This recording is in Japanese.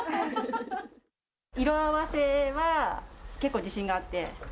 色合わせは結構自信があって。